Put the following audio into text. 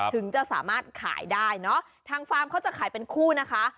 ถึงจะสามารถขายได้เนอะทางฟาร์มเขาจะขายเป็นคู่นะคะ